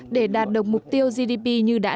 để đạt được mục tiêu gdp như đây